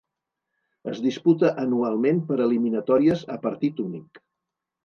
Es diputa anualment per eliminatòries a partit únic.